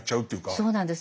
そうなんです。